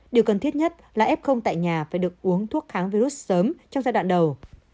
điều cần thiết nhất là f tại nhà phải được uống thuốc kháng virus sớm trong giai đoạn đầu